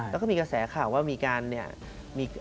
แล้วก็มีกระแสข่าวว่ามีการเนี่ย